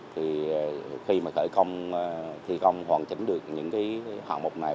thì khi mà khởi công thi công hoàn chỉnh được những cái hạng mục này